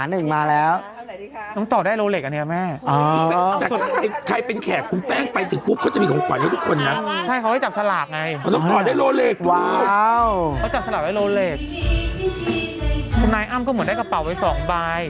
นายอ้ำก็เหมือนได้กระเป๋าไป๒ใบ